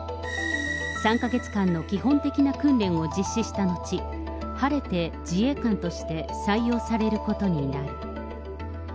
３か月間の基本的訓練を実施した後、晴れて自衛官として採用されることになる。